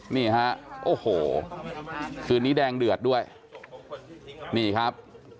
นี่ฮะโอ้โหคืนนี้แดงเดือดด้วยนี่ครับ